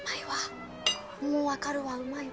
もう分かるわ、うまいわ。